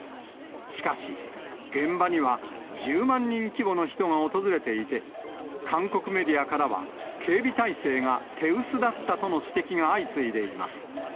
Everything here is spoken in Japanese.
しかし、現場には１０万人規模の人が訪れていて、韓国メディアからは、警備態勢が手薄だったとの指摘が相次いでいます。